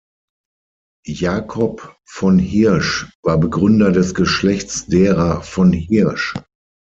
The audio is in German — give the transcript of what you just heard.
Jakob von Hirsch war Begründer des Geschlechts derer von Hirsch.